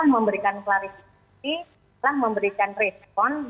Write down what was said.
mencari hal hal yang berbeda